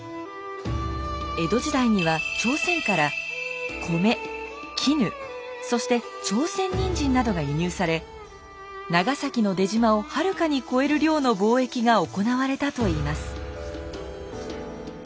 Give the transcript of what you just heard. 江戸時代には朝鮮から米絹そして朝鮮人参などが輸入され長崎の出島をはるかに超える量の貿易が行われたといいます。